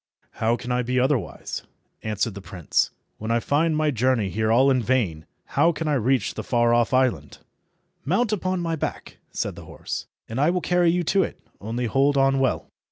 "How can I be otherwise," answered the prince, "when I find my journey here all in vain? How can I reach the far off island?" "Mount upon my back," said the horse, "and I will carry you to it. Only hold on well."